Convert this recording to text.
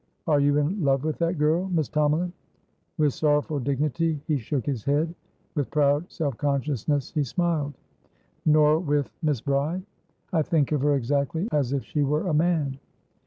"Are you in love with that girlMiss Tomalin?" With sorrowful dignity, he shook his head; with proud self consciousness, he smiled. "Nor with Miss Bride?" "I think of her exactly as if she were a man."